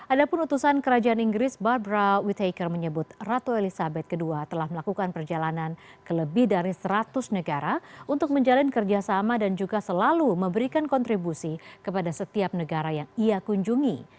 ada pun utusan kerajaan inggris badra whiteker menyebut ratu elizabeth ii telah melakukan perjalanan ke lebih dari seratus negara untuk menjalin kerjasama dan juga selalu memberikan kontribusi kepada setiap negara yang ia kunjungi